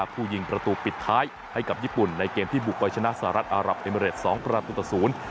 ผู้ยิงประตูปิดท้ายให้กับญี่ปุ่นในเกมที่บุกไปชนะสหรัฐอารับเอเมริดสองประตูต่อศูนย์